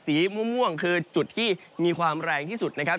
สีม่วงคือจุดที่มีความแรงที่สุดนะครับ